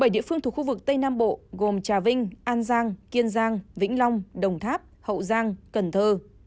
bảy địa phương thuộc khu vực tây nam bộ gồm trà vinh an giang kiên giang vĩnh long đồng tháp hậu giang cần thơ